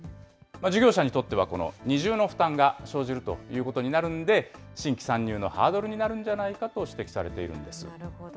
事業者にとっては二重の負担が生じるということになるんで、新規参入のハードルになるんじゃないなるほど。